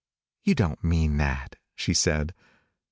"You don't mean that," she said.